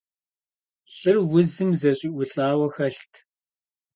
Лӏыр узым зэщӏиӏулӏауэ хэлът.